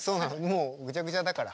もうぐちゃぐちゃだから。